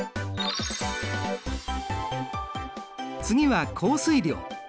次は降水量。